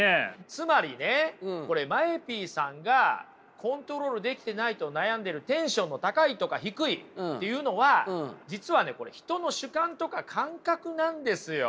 つまりねこれＭＡＥＰさんがコントロールできてないと悩んでるテンションの高いとか低いっていうのは実はね人の主観とか感覚なんですよ。